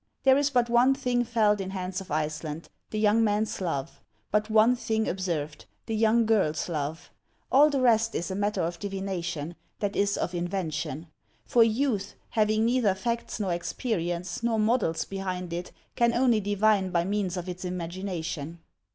There is but one thing felt in "Hans of Iceland," the young man's love ; but one thing observed, the young girl's love. All the rest is a matter of divination, — that is, of invention ; for youth, having neither facts nor experience nor models behind it, can only divine by means of its im agination.